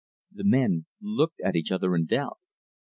The men looked at each other in doubt.